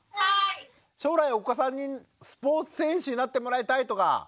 将来お子さんにスポーツ選手になってもらいたいとかあるんですか？